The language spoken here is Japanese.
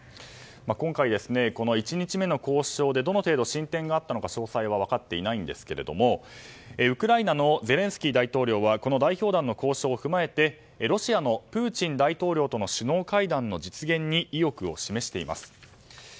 今回、１日目の交渉でどの程度、進展があったのか詳細は分かっていないんですがウクライナのゼレンスキー大統領はこの代表団の交渉を踏まえてロシアのプーチン大統領との首脳会談の実現に意欲を示しています。